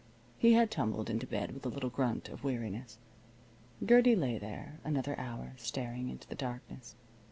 He had tumbled into bed with a little grunt of weariness. Gertie lay there another hour, staring into the darkness.